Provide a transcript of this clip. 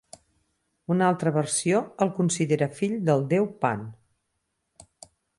Una altra versió el considera fill del déu Pan.